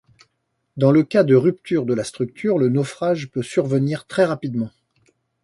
Dans le cas de rupture de la structure, le naufrage peut survenir très rapidement.